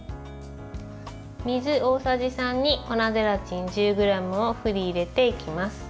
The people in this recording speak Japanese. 水大さじ３に粉ゼラチン１０ｇを振り入れていきます。